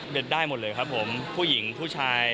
ได้หมดเลยครับผมผู้หญิงผู้ชาย